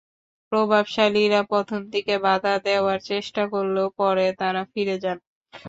প্রভাবশালীরা প্রথম দিকে বাধা দেওয়ার চেষ্টা করলেও পরে তাঁরা ফিরে যান।